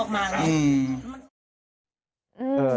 ลูกมันก็วิ่งออกมาแล้ว